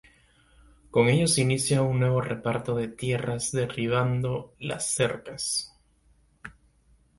Con ellos inicia un nuevo reparto de tierras derribando las cercas.